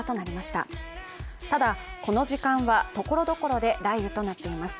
ただ、この時間はところどころで雷雨となっています。